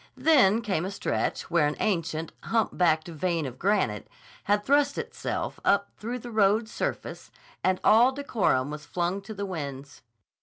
Then came a stretch where an ancient, humpbacked vein of granite had thrust itself up through the road's surface, and all decorum was flung to the winds.